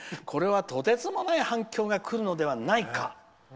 これはとてつもない反響がくるのではないか。